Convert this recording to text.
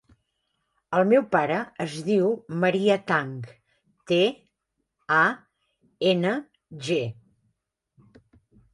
El meu pare es diu Maria Tang: te, a, ena, ge.